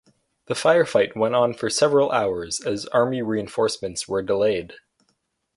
The firefight went on for several hours as army reinforcements were delayed.